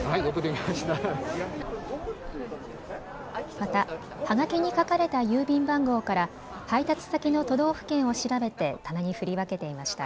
また、はがきに書かれた郵便番号から配達先の都道府県を調べて棚に振り分けていました。